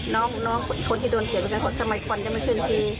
น้องคนที่โดนเสียงไปแล้วก็สมัยควรยังไม่เคยที